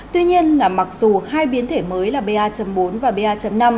tuy nhiên là mặc dù hai biến thể mới là ba bốn và ba năm